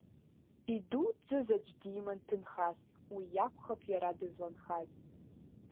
Идуӡӡаз аӡә диман ҭынхас, уиакәхап иара дызланхаз.